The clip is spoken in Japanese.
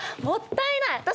もったいない。